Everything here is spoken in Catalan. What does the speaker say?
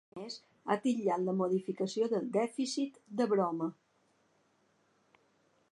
A més, ha titllat la modificació del dèficit de ‘broma’